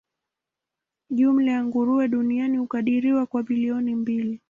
Jumla ya nguruwe duniani hukadiriwa kuwa bilioni mbili.